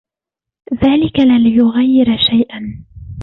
ذلك لن يغير شيء.